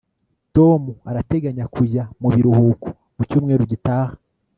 Tom arateganya kujya mu biruhuko mu cyumweru gitaha